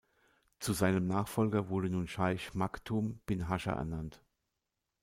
Zu seinem Nachfolger wurde nun Scheich Maktum bin Hascher ernannt.